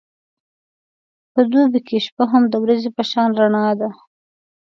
په دوبی کې شپه هم د ورځې په شان رڼا ده.